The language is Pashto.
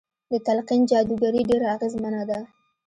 د تلقين جادوګري ډېره اغېزمنه ده.